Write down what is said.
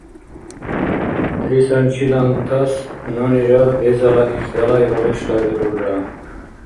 Трисанчилантас нунира дезала иш далай багъишлабирулра.